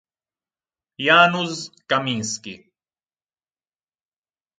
Janusz Kaminski